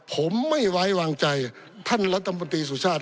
ผมไม่ไว้วางใจท่านรัฐมนตรีสุชาติ